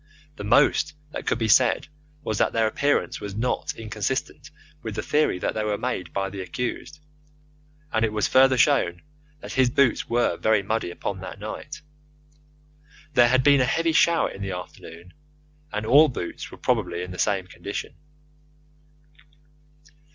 The most that could be said was that their appearance was not inconsistent with the theory that they were made by the accused, and it was further shown that his boots were very muddy upon that night. There had been a heavy shower in the afternoon, and all boots were probably in the same condition.